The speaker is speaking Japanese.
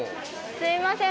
すいません。